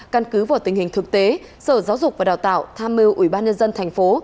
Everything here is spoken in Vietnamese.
căn cứ vào tình hình thực tế sở giáo dục và đào tạo tham mưu ủy ban nhân dân thành phố